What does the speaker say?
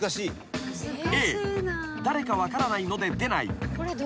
誰か分からないので出ない］